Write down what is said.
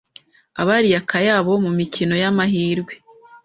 abariye akayabo mu mikino y’amahirwe